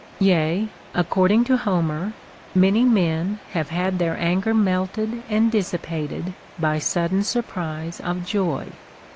Yea, according to Homer, many men have had their anger melted and dissipated by sudden surprise of joy.